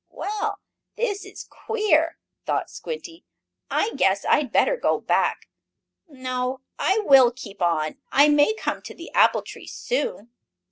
"Well, this is queer," thought Squinty. "I guess I had better go back. No, I will keep on. I may come to the apple tree soon."